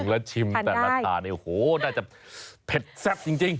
แล้วชิมแต่ละทานโหน่าจะเผ็ดแซ่บจริง